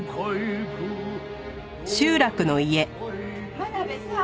真鍋さん